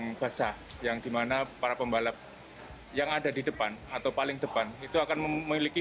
yang basah yang dimana para pembalap yang ada di depan atau paling depan itu akan memiliki